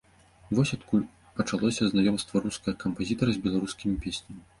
Вось адкуль пачалося знаёмства рускага кампазітара з беларускімі песнямі.